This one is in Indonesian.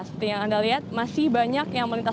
seperti yang anda lihat masih banyak yang melintas